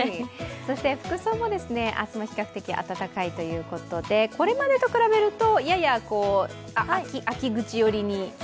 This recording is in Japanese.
服装も、明日も比較的暖かいということでこれまでと比べると、やや秋口寄りに。